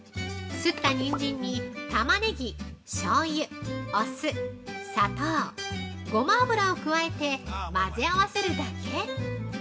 擦ったニンジンにタマネギしょうゆ、お酢、砂糖、ごま油を加えて混ぜ合わせるだけ。